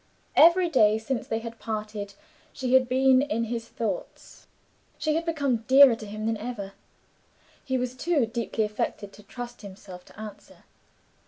Every day since they had parted she had been in his thoughts; she had become dearer to him than ever. He was too deeply affected to trust himself to answer.